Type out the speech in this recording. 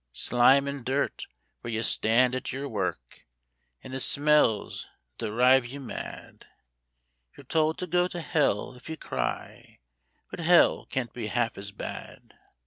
Slime an' dirt where ye stand at yer work, an' the smells'd dhrive ye mad ; Yer tould to go to hell if ye cry, but hell can't be half as bad.